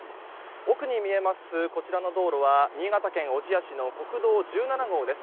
奥に見えます、こちらの道路は新潟県小千谷市の国道１７号です。